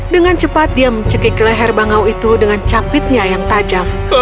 dengan cepat dia mencekik leher bangau itu dengan capitnya yang tajam